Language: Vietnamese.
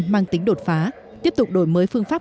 mang tính đột phá tiếp tục đổi mới phương pháp